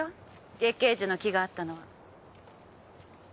月桂樹の木があったのは。